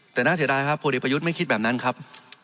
แต่น่าเสียดายครับพลเอกประยุทธ์ไม่คิดแบบนั้นครับ